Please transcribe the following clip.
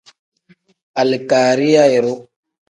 Alikariya iru.